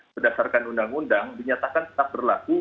berdasarkan undang undang dinyatakan tetap berlaku